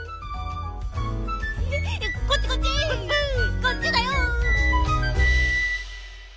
こっちだよ！